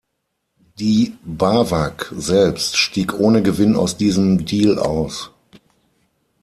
Die Bawag selbst stieg ohne Gewinn aus diesem Deal aus.